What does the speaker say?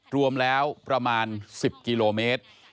รวมแล้วประมาณ๑๐กิโลเมตร